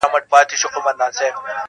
کنې ګران افغانستانه له کنعانه ښایسته یې,